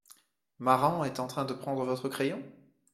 Maran est en train de prendre votre crayon ?